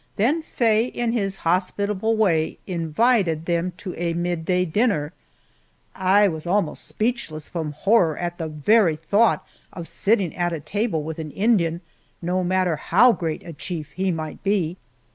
Then Faye, in his hospitable way, invited them to a midday dinner! I was almost speechless from horror at the very thought of sitting at a table with an Indian, no matter how great a chief he might be.